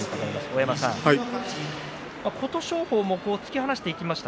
大山さん琴勝峰も突き放していきました。